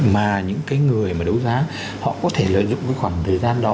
mà những cái người mà đấu giá họ có thể lợi dụng cái khoảng thời gian đó